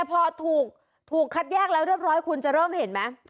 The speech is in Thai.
พอถูกคัดแยกแล้วเรียบร้อยคุณจะเริ่มเห็นไหม